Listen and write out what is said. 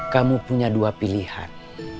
kamu punya dua pilihan